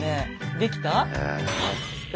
できた？え？